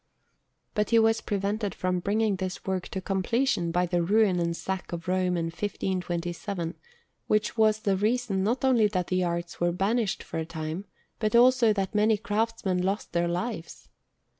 But he was prevented from bringing this work to completion by the ruin and sack of Rome in 1527, which was the reason not only that the arts were banished for a time, but also that many craftsmen lost their lives.